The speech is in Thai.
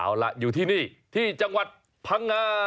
เอาล่ะอยู่ที่นี่ที่จังหวัดพังงา